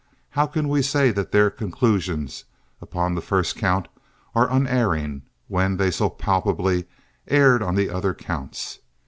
How can we say that their conclusions upon the first count are unerring when they so palpably erred on the other counts?